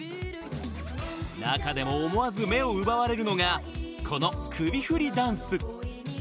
中でも思わず目を奪われるのがこの首振りダンス。